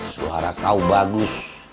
suara kau bagus